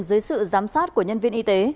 dưới sự giám sát của nhân viên y tế